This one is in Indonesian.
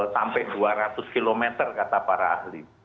sampai dua ratus km kata para ahli